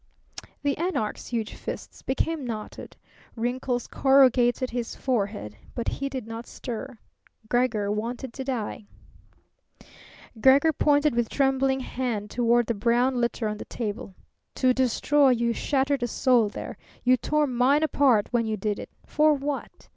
The anarch's huge fists became knotted; wrinkles corrugated his forehead; but he did not stir. Gregor wanted to die. Gregor pointed with trembling hand toward the brown litter on the table. "To destroy. You shattered a soul there. You tore mine apart when you did it. For what?